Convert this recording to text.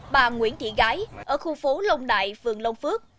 bà nguyễn thị gái ở khu phố long đại phường long phước